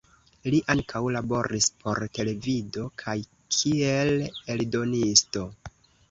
Li ankaŭ laboris por televido kaj kiel eldonisto.